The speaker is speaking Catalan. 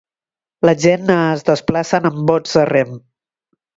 La gent es desplacen amb bots a rem.